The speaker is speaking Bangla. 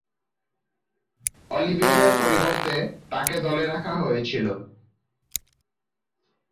অলিভেইরা’র পরিবর্তে তাকে দলে রাখা হয়েছিল।